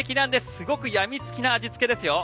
すごく病みつきな味付けです。